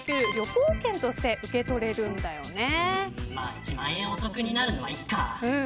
１万円お得になるのはいいか。